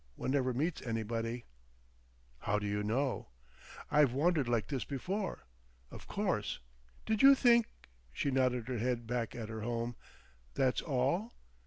One never meets anybody." "How do you know?" "I've wandered like this before.... Of course. Did you think"—she nodded her head back at her home—"that's all?"